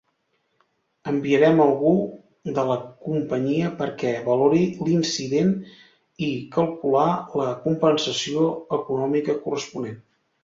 Enviarem algú de la companyia perquè valori l'incident i calcular la compensació econòmica corresponent.